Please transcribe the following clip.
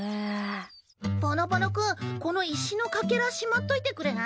ぼのぼの君この石のかけらしまっといてくれない？